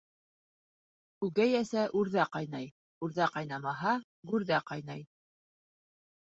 Үгәй әсә үрҙә ҡайнай, үрҙә ҡайнамаһа, гүрҙә ҡайнай.